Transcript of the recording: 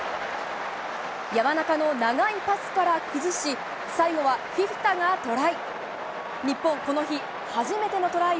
山中の長いパスから崩し最後はフィフィタがトライ！